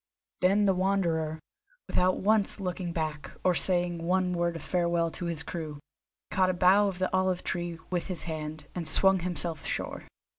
Then the Wanderer, without once looking back, or saying one word of farewell to his crew, caught a bough of the olive tree with his hand, and swung himself ashore.